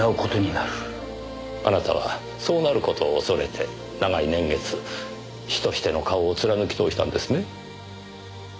あなたはそうなる事を恐れて長い年月師としての顔を貫きとおしたんですね？